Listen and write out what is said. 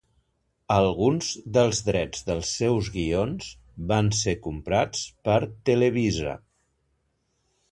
Alguns dels drets dels seus guions van ser comprats per Televisa.